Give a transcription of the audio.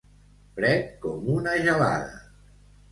Fred com una gelada.